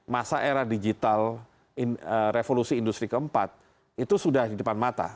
masa era digital revolusi industri keempat itu sudah di depan mata